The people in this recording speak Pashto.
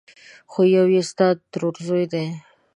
خو يو يې ستا ترورزی دی!